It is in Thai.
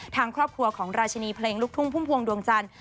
ทางครอบครัวของราชินีเพลงลูกทุ่งพุ่มพวงดวงจันทร์